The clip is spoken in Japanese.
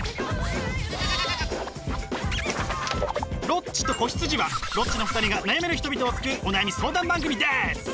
「ロッチと子羊」はロッチの２人が悩める人々を救うお悩み相談番組です！